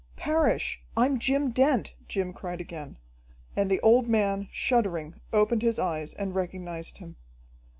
"Parrish, I'm Jim Dent!" Jim cried again, and the old man, shuddering, opened his eyes and recognized him.